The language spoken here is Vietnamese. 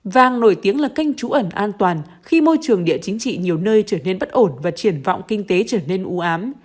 vàng nổi tiếng là kênh trú ẩn an toàn khi môi trường địa chính trị nhiều nơi trở nên bất ổn và triển vọng kinh tế trở nên ưu ám